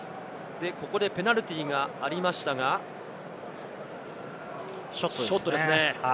ここでペナルティーがありましたが、ショットですね。